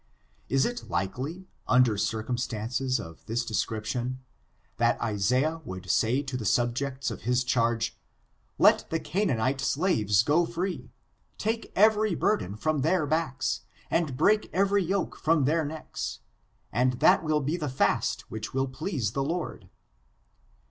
Is it likely, under circumstances of this description, that Isaiah would say to the subjects of his charge, let the Cancuifiiie slaves go free; take every burden firom their backs, and break every yoke from their necks, and that will be the fast which will please the Lord